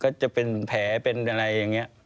ก็จะเป็นแผลเป็นอะไรเนี่ย